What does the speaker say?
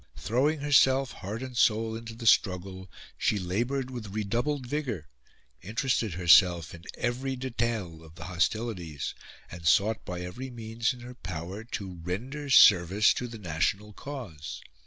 Throwing her self heart and soul into the struggle, she laboured with redoubled vigour, interested herself in every detail of the hostilities, and sought by every means in her power to render service to the national cause.